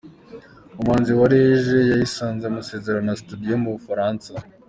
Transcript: Umuhanzi wa Rege yasinyanye amasezerano na Studio yo mu Bufaransa